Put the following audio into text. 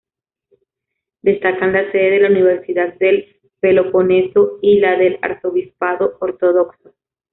Destacan la sede de la Universidad del Peloponeso y la del arzobispado ortodoxo.